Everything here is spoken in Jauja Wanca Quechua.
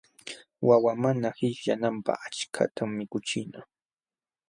Wawa mana qishyananpaq achkatam mikuchina.